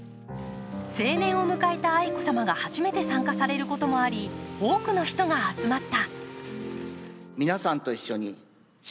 成年を迎えた愛子さまが初めて参加されることもあり、多くの人が集まった。